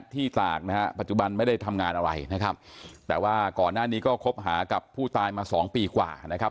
ตากนะฮะปัจจุบันไม่ได้ทำงานอะไรนะครับแต่ว่าก่อนหน้านี้ก็คบหากับผู้ตายมาสองปีกว่านะครับ